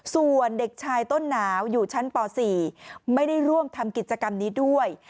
ส่วนเด็กชายต้นหนาวอยู่ชั้นป๔ไม่ได้ร่วมทำกิจกรรมนี้ด้วย